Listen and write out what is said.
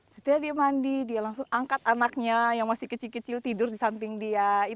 setelah dia mandi dia langsung angkat anaknya yang masih kecil kecil tidur di samping dia